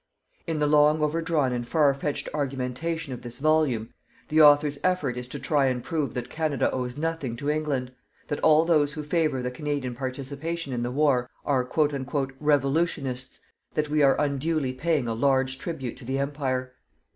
_" In the long overdrawn and farfetched argumentation of this volume, the author's effort is to try and prove that Canada owes nothing to England, that all those who favour the Canadian participation in the war are "revolutionists," that we are unduly paying a large tribute to the Empire.